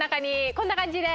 こんなかんじで！